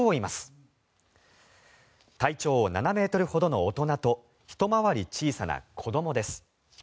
体長７ｍほどの大人とひと回り小さな子どもです。